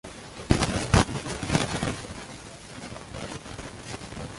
Tallo simple o ligeramente ramificado por encima de la media.